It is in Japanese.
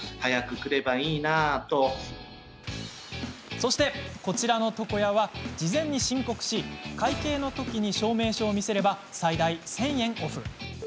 そして、こちらの床屋は事前に申告し会計のときに証明書を見せれば最大１０００円オフ。